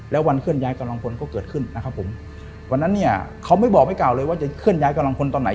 แล้ววันเคลื่อนย้ายกำลังพลก็เกิดขึ้นนะครับผมวันนั้นเนี่ยเขาไม่บอกไม่เก่าเลยว่าจะเคลื่อนย้ายกำลังพลตอนไหน